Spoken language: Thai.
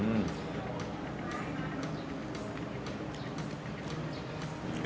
อือ